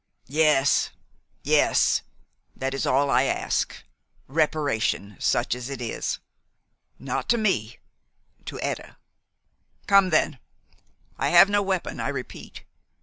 "Yes, yes that is all I ask reparation, such as it is. Not to me to Etta. Come then. I have no weapon, I repeat.